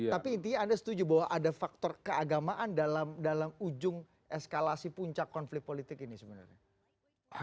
tapi intinya anda setuju bahwa ada faktor keagamaan dalam ujung eskalasi puncak konflik politik ini sebenarnya